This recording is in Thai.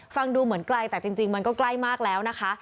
ฟังดูเหมือนไกลแต่จริงมันก็ใกล้มากแล้วนะคะ